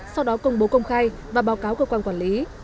sau đó công bố công khai và báo cáo cơ quan quản lý